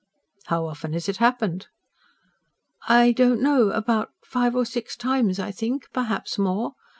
"How often has it happened?" "I don't know ... about five or six times, I think ... perhaps more.